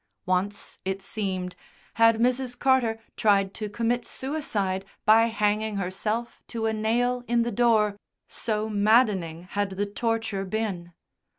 Once, it seemed, had Mrs. Carter tried to commit suicide by hanging herself to a nail in a door, so maddening had the torture been.